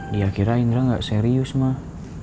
dia kira indra gak serius mah